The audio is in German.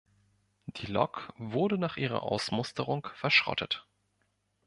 Die Lok wurde nach ihrer Ausmusterung verschrottet.